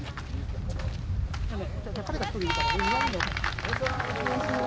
お願いします。